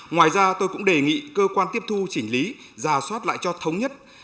ngoài ra tôi cũng đề nghị cơ quan tiếp thu chỉnh lý giả soát lại cho thống nhất